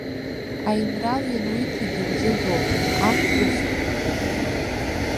Аинрал иануиҭагь, иузыжәуам, аф уст!